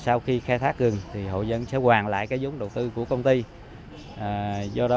sau khi khai thác rừng thì hộ dân sẽ hoàn lại cái vốn đầu tư của công ty do đó mà cái tình hình phát triển rừng nó đi vào ổn định